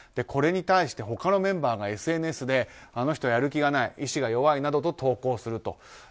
これに対して他のメンバーがＳＮＳであの人、やる気がない意志が弱いなどと投稿すると。